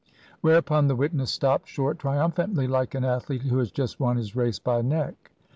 Whereupon the witness stopped short triumphantly, like an athlete who has just won his race by a neck.